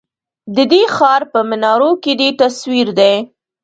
ددې ښار په منارو کی دی تصوير دی